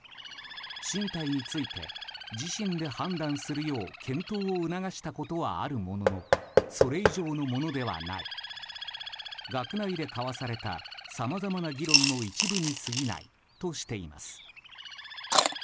進退について自身で判断するよう検討を促したことはあるもののそれ以上のものではない学内で交わされたさまざまな議論の一部に過ぎないとしています。